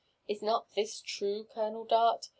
Is not this true, Colonel Dart?